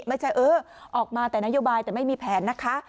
ไม่ใช่เออออกมาแต่นโยบายแต่ไม่มีแผนนะคะ